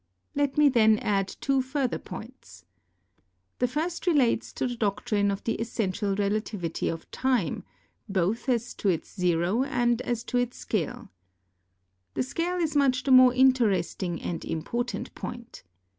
Let me then add two further points. The first relates to the doctrine of the essential relativity of time, both as to its zero and as to its scale. The scale is much the more interesting and important point.